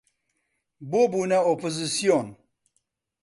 بۆ بوونە ئۆپۆزسیۆن